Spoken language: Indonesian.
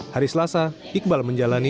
hari selasa iqbal menjalani